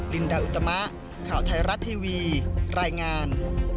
ลินดาอุตมะข่าวไทยรัฐทีวีรายงาน